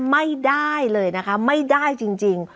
ไม่ได้เลยนะคะไม่ได้จริง